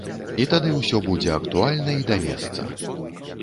І тады ўсё будзе актуальна і да месца.